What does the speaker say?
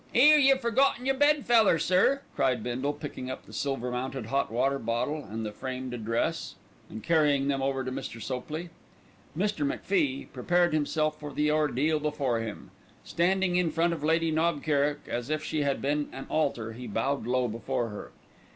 "'Ere, you've forgotten your bed feller, sir!" cried Bindle, picking up the silver mounted hot water bottle and the framed address and carrying them over to Mr. Sopley. Mr. MacFie prepared himself for the ordeal before him. Standing in front of Lady Knob Kerrick as if she had been an altar, he bowed low before her.